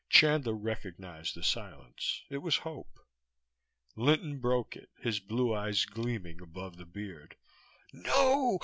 Chandler recognized the silence. It was hope. Linton broke it, his blue eyes gleaming above the beard. "No!